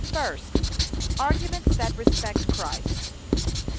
First, [Arguments that respect CHRIST.